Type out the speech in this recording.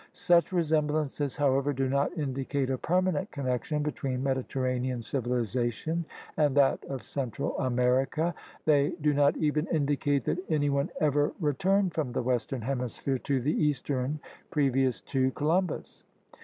Such resemblances, however, do not indicate a permanent connection between Mediterranean civilization and that of Central America. They do not even indicate that any one ever returned from the Western Hemisphere to the Eastern previous to Columbus.